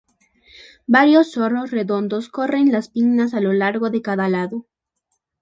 Varios soros redondos recorren las pinnas a lo largo de cada lado.